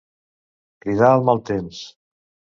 Cridar el mal temps.